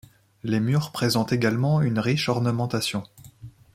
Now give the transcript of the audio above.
Les murs présentent également une riche ornementation.